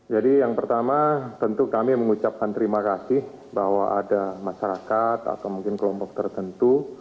jadi yang pertama tentu kami mengucapkan terima kasih bahwa ada masyarakat atau mungkin kelompok tertentu